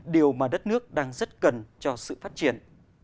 điều mà đất nước đang rất cần cho sự phát triển